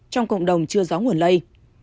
trong cộng đồng chưa gió nguồn lây